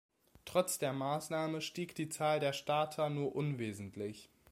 Trotz der Maßnahme stieg die Zahl der Starter nur unwesentlich.